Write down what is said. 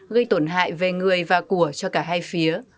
gây tổn hại về người và của cho cả hai phía